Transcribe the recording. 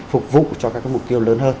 phục vụ cho các mục tiêu lớn hơn